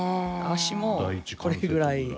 足もこれぐらい。